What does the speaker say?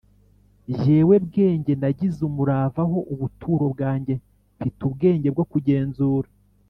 jyewe bwenge nagize umurava ho ubuturo bwanjye, mfite ubwenge bwo kugenzura